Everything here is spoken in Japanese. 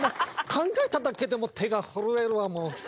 考えただけでも手が震えるわ。